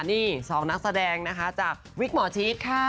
นี่๒นักแสดงนะคะจากวิกหมอชิดค่ะ